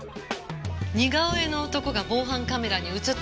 似顔絵の男が防犯カメラに映っていたのがここ。